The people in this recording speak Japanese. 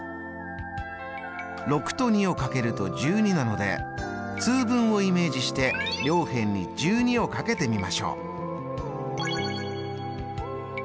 ６と２をかけると１２なので通分をイメージして両辺に１２をかけてみましょう。